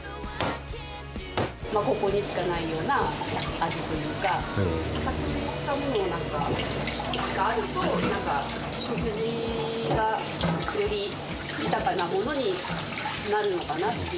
ここにしかないような味というか、そういったものがあると、なんか食事がより豊かなものになるのかなっていう。